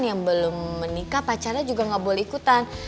yang belum menikah pacarnya juga nggak boleh ikutan